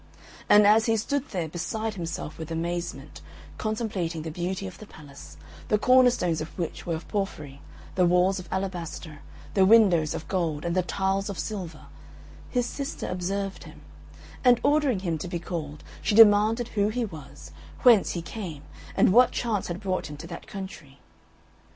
And as he stood there, beside himself with amazement, contemplating the beauty of the palace the corner stones of which were of porphyry, the walls of alabaster, the windows of gold, and the tiles of silver his sister observed him, and ordering him to be called, she demanded who he was, whence he came, and what chance had brought him to that country.